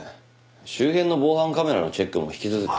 周辺の防犯カメラのチェックも引き続き。